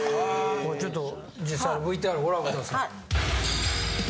ちょっと実際のＶＴＲご覧ください。